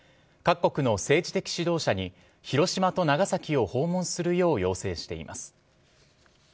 各国の政治的指導者に広島と長崎を訪問するよう要請しています。